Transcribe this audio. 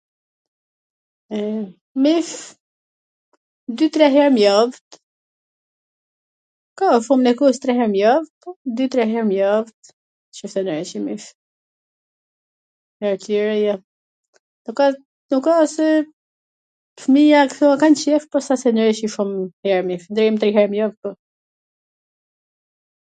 mish... dy tre her n jav, ka e shumta e kohs tre her n jav, po dy tre her n jav nqoftse nreqim mish ... her tjera jo, po ka nuk ka se fmija ktu e kan qef po s asht se nreqi shum her mish, deri m tri herv n jav po